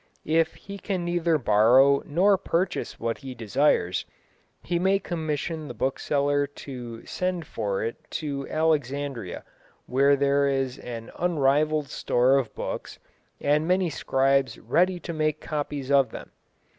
If he can neither borrow nor purchase what he desires, he may commission the bookseller to send for it to Alexandria, where there is an unrivalled store of books and many skilled scribes ready to make copies of them.